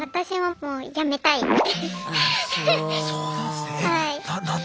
そうなんですね。